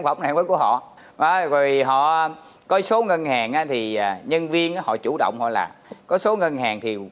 phẩm này mới của họ rồi họ coi số ngân hàng thì nhân viên họ chủ động họ là có số ngân hàng thì